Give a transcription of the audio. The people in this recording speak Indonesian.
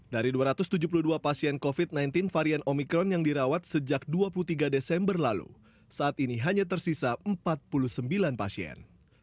dari dua ratus tujuh puluh dua pasien covid sembilan belas varian omikron yang dirawat sejak dua puluh tiga desember lalu saat ini hanya tersisa empat puluh sembilan pasien